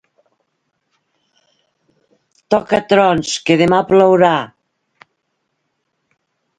Toca trons, que demà plourà!